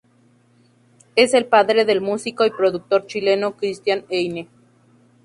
Es el padre del músico y productor chileno Cristián Heyne.